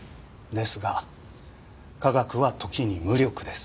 ですが科学は時に無力です。